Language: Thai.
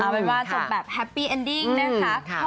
เป็นว่าศพแบบแฮปปี้เอ็นดิ้งพ่อลูกกลับมาคืนดีกันแล้วล่ะ